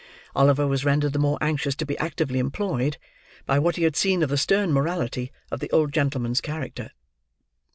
Oliver was rendered the more anxious to be actively employed, by what he had seen of the stern morality of the old gentleman's character.